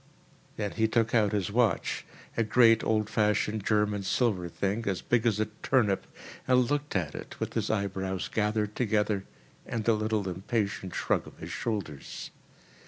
Then he took out his watch, a great, old fashioned German silver thing as big as a turnip, and looked at it, with his eyebrows gathered together and a little impatient shrug of his shoulders.